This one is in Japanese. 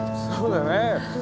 そうだね。